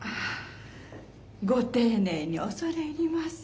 ご丁寧に恐れ入ります。